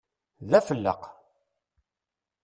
D afelleq!